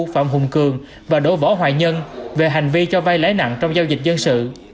phạm hùng cường và đỗ võ hoài nhân về hành vi cho vay lấy nặng trong giao dịch dân sự